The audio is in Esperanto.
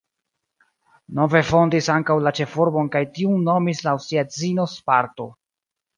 Nove fondis ankaŭ la ĉefurbon kaj tiun nomis laŭ sia edzino Sparto.